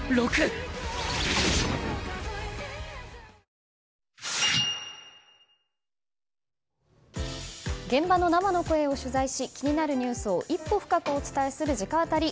清々堂々清らかなる傑作「伊右衛門」現場の生の声を取材し気になるニュースを一歩深くお伝えする直アタリ。